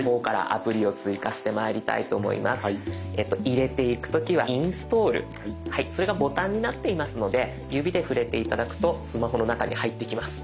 入れていく時はインストールそれがボタンになっていますので指で触れて頂くとスマホの中に入っていきます。